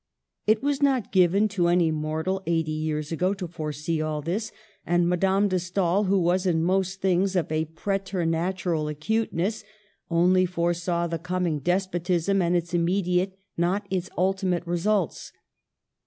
It was not given to any mortal, eighty years ago, to foresee all this ; and Madame de Stael, who was in most things of a preternatural acuteness, only foresaw the coming despotism and its immediate, not its ultimate, results.